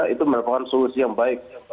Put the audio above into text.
itu merupakan solusi yang baik